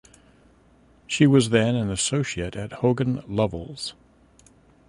She was then an associate at Hogan Lovells.